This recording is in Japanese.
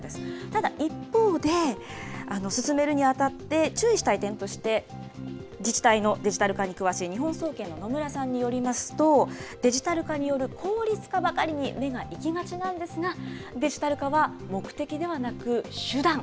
ただ、一方で、進めるにあたって、注意したい点として、自治体のデジタル化に詳しい日本総研の野村さんによりますと、デジタル化による効率化ばかりに目がいきがちなんですが、デジタル化は目的ではなく、手段。